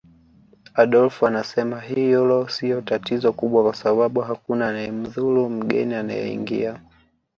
Adolf anasema hilo siyo tatizo kubwa kwa sababu hakuna anayemdhuru mgeni anayeingia